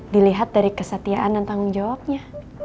dilihat dari kesetiaan dan tanggung jawabnya